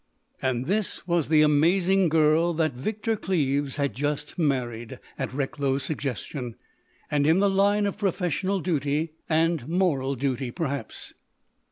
And this was the amazing girl that Victor Cleves had just married, at Recklow's suggestion, and in the line of professional duty,—and moral duty, perhaps.